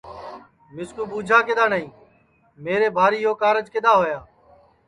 کہ مِسکو ٻوچھا کیوں نائی میرے بھاری یو کارج کِدؔا ہویا